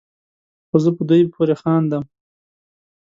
خو زه په دوی پورې خاندم